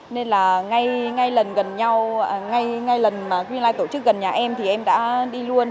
nên là ngay lần tổ chức gần nhà em thì em đã đi luôn